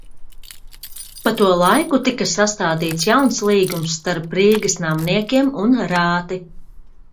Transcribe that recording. Pa to laiku tika sastādīts jauns līgums starp Rīgas namniekiem un rāti.